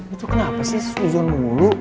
itu kenapa sih sujon mulu